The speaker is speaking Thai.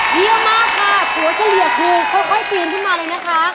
เยี่ยมมากค่ะตัวเฉลี่ยคือค่อยปีนขึ้นมาเลยนะคะ